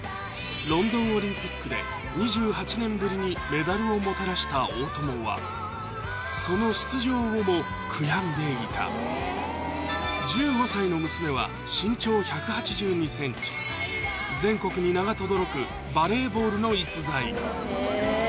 ロンドンオリンピックで２８年ぶりにメダルをもたらした大友はその出場をも悔やんでいた１５歳の娘は身長１８２ｃｍ全国に名がとどろくバレーボールの逸材